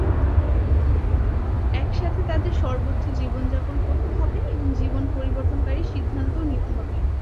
একসাথে, তাদের সর্বোচ্চ জীবনযাপন করতে হবে এবং জীবন পরিবর্তনকারী সিদ্ধান্ত নিতে হবে।